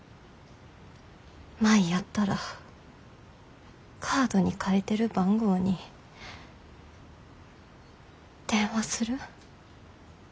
舞やったらカードに書いてる番号に電話する？